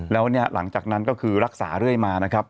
แล้วเนี่ยหลังจากนั้นก็คือรักษาเรื่อยมานะครับ